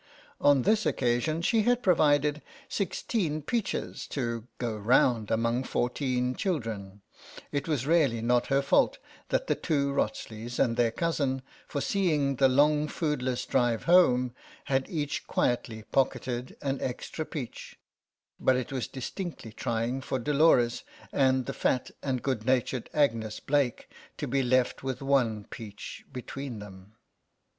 On this occasion she had provided sixteen peaches to " go round " among four teen children; it was really not her fault that the two Wrotsleys and their cousin, foreseeing the long foodless drive home, had each quietly pocketed an extra peach, but it was distinctly trying for Dolores and the fat and good natured Agnes Blaik to be left with one peach between them.